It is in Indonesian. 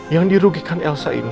yang dirugikan elsa ini